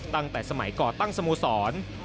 ตั้งแต่สมัยก่อตั้งสโมสร